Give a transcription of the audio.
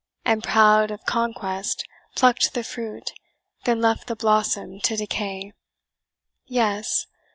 And proud of conquest, pluck'd the fruit, Then left the blossom to decay. "Yes!